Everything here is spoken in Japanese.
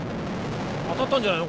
当たったんじゃないの？